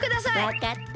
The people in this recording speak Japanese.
わかった。